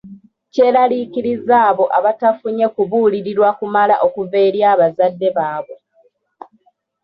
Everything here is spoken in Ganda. Kyeraliikiriza abo abatafunye kubuulirirwa kumala okuva eri abazadde baabwe.